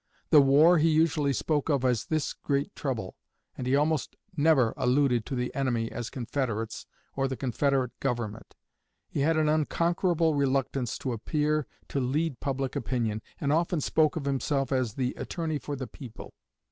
The war he usually spoke of as "this great trouble," and he almost never alluded to the enemy as "Confederates" or "the Confederate Government." He had an unconquerable reluctance to appear to lead public opinion, and often spoke of himself as the "attorney for the people."